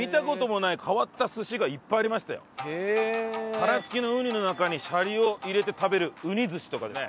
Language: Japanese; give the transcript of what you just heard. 殻付きのうにの中にシャリを入れて食べるうに寿司とかね。